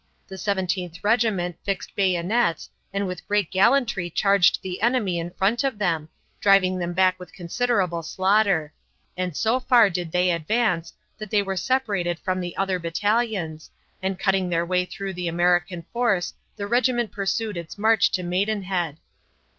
The Seventeenth Regiment fixed bayonets and with great gallantry charged the enemy in front of them, driving them back with considerable slaughter; and so far did they advance that they were separated from the other battalions, and cutting their way through the American force the regiment pursued its march to Maidenhead.